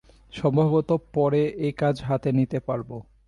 সম্ভবত পরে এ কাজ হাতে নিতে পারব।